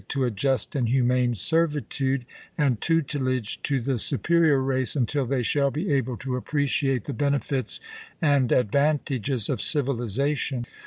f tte to a just and humane servitude and tutelage to the Advofate supcrior race until they shall be able to appreciate Oct! i'^isk. the benefits and advantages of civilization."